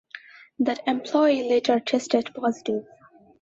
That employee later tested positive.